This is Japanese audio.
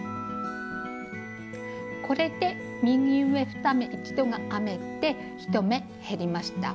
これで「右上２目一度」が編めて１目減りました。